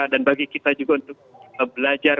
dan bagi kita juga untuk belajar